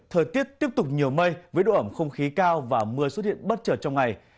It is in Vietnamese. thời tiết tiếp tục nhiều mây với độ ẩm không khí cao và mưa xuất hiện bất chợt trong ngày